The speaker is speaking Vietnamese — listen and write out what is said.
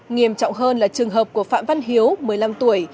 nghiêm trọng hơn là trường hợp của phạm văn hiếu một mươi năm tuổi